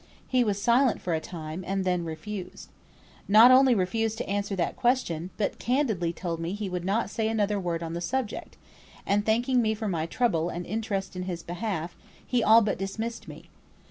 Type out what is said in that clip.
He was silent for a time, and then refused. Not only refused to answer that question, but candidly told me he would not say another word on the subject, and, thanking me for my trouble and interest in his behalf, he all but dismissed me.